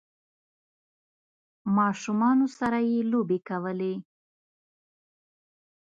ماشومانو سره یی لوبې کولې